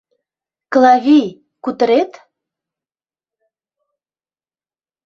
— Клавий, кутырет?